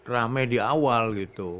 rame di awal gitu